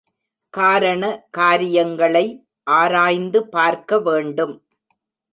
காரண, காரியங்களை ஆராய்ந்து பார்க்க வேண்டும்.